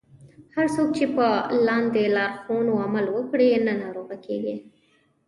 هر څوک چې په لاندې لارښوونو عمل وکړي نه ناروغه کیږي.